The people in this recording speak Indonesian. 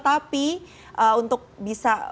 tapi untuk bisa